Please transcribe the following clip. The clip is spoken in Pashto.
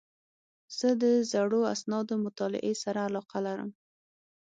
زه د زړو اسنادو مطالعې سره علاقه لرم.